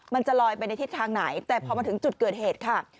มันจะลอยไปในทิศทางไหนแต่พอมาถึงจุดเกิดเหตุค่ะ